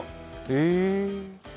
え。